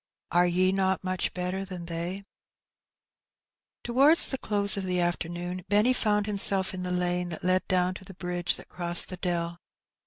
... Are ye not much better than they ?" Towards the close of the afternoon Benny found him self in the lane that led down to the bridge that crossed the dell.